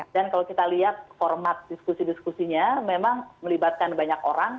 kalau kita lihat format diskusi diskusinya memang melibatkan banyak orang